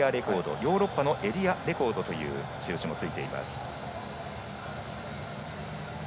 ヨーロッパのエリアレコードという印もついています。